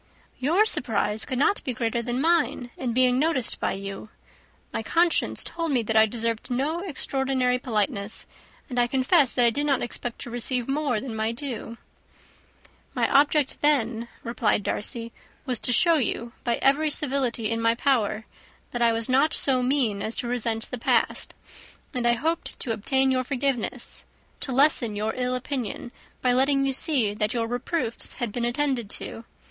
"Your surprise could not be greater than mine in being noticed by you. My conscience told me that I deserved no extraordinary politeness, and I confess that I did not expect to receive more than my due." "My object then," replied Darcy, "was to show you, by every civility in my power, that I was not so mean as to resent the past; and I hoped to obtain your forgiveness, to lessen your ill opinion, by letting you see that your reproofs had been attended to.